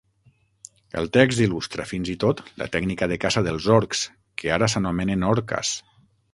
El text il·lustra, fins i tot, la tècnica de caça dels orcs, que ara s'anomenen orcas.